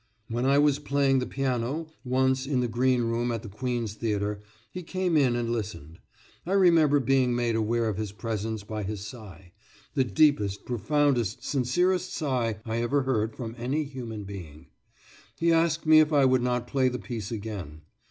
When I was playing the piano, once, in the green room at the Queen's Theatre, he came in and listened. I remember being made aware of his presence by his sigh the deepest, profoundest, sincerest sigh I ever heard from any human being. He asked me if I would not play the piece again.